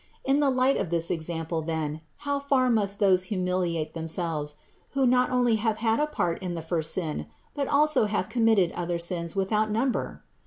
In the light of this example then, how far must those humiliate themselves, who not only have had a part in the first sin, but also have committed other sins without number?